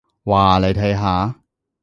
哇，你睇下！